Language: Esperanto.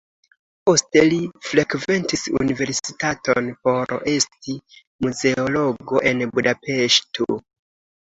Poste li frekventis universitaton por esti muzeologo en Budapeŝto.